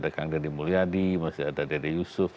kang deddy mulyadi masih ada dede yusuf